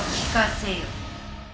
せよ。